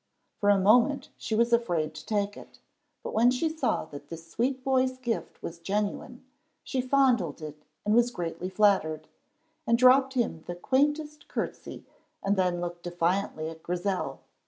For a moment she was afraid to take it, but when she knew that this sweet boy's gift was genuine, she fondled it and was greatly flattered, and dropped him the quaintest courtesy and then looked defiantly at Grizel.